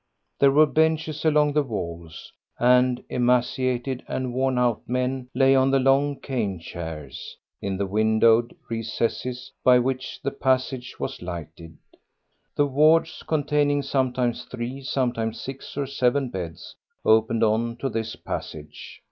There were benches along the walls; and emaciated and worn out men lay on the long cane chairs in the windowed recesses by which the passage was lighted. The wards, containing sometimes three, sometimes six or seven beds, opened on to this passage.